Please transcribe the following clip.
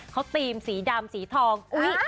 เขาตีมสีดำสีทอง